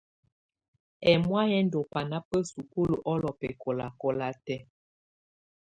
Ɛmɔ̀á yɛ ndù bana ba sukulu ɔlɔ bɛkɔlakɔla tɛ̀á.